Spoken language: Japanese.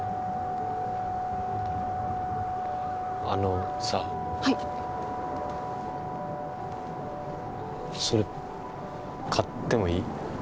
あのさはいそれ買ってもいい？